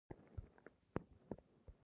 د دوامدارو حل لارو پرته